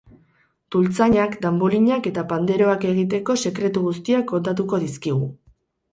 Dultzainak, danbolinak eta panderoak egiteko sekretu guztiak kontatuko dizkigu.